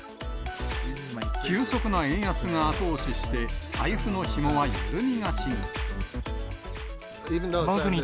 急速な円安が後押しして、財布のひもは緩みがちに。